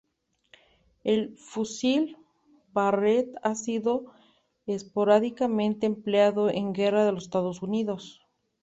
El fusil Barrett ha sido esporádicamente empleado en guerra por los Estados Unidos.